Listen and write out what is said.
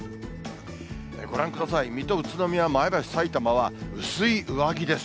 ご覧ください、水戸、宇都宮、前橋、さいたまは薄い上着です。